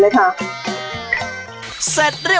พริกแค่นี้ค่ะพริกแค่นี้ค่ะ